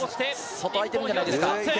外、空いてるんじゃないですか？